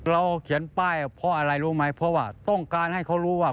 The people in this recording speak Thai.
เขียนป้ายเพราะอะไรรู้ไหมเพราะว่าต้องการให้เขารู้ว่า